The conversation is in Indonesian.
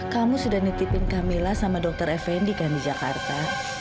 kamu sudah nitipin camilla sama dokter effendi kan di jakarta